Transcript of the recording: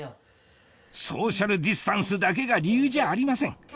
ソーシャルディスタンスだけが理由じゃありません